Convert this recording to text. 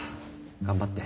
頑張って。